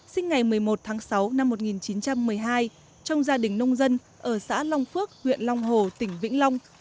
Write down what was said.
sinh ngày một mươi một tháng sáu năm một nghìn chín trăm một mươi hai trong gia đình nông dân ở xã long phước huyện long hồ tỉnh vĩnh long